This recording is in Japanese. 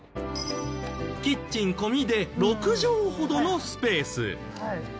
キッチン込みで６帖ほどのスペース。